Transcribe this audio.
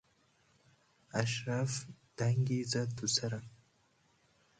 اشرف دنگی زد توسرم.